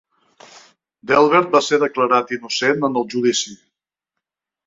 Delbert va ser declarat innocent en el judici.